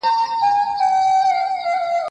لښتې په نغري کې د اور رڼا لیده.